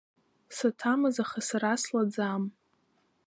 Саҭамыз, аха сара слаӡам.